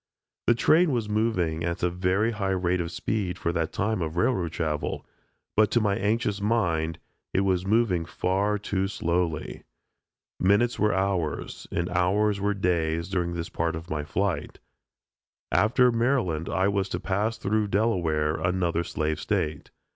The train was moving at a very high rate of speed for that time of railroad travel, but to my anxious mind, it was moving far too slowly. Minutes were hours, and hours were days during this part of my flight. After Maryland I was to pass through Delaware another slave State.